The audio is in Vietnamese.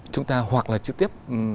chúng ta hoặc là trực tiếp